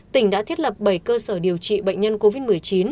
tỉnh đã thiết lập bảy cơ sở điều trị bệnh nhân covid một mươi chín